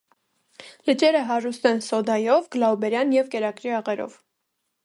Լճերը հարուստ են սոդայով, գլաուբերյան և կերակրի աղերով։